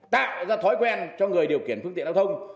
tạo ra thói quen cho người điều khiển phương tiện giao thông